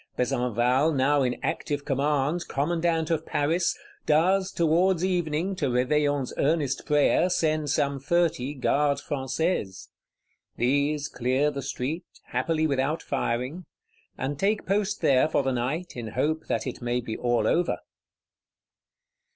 Besenval, now in active command, Commandant of Paris, does, towards evening, to Réveillon's earnest prayer, send some thirty Gardes Françaises. These clear the street, happily without firing; and take post there for the night in hope that it may be all over.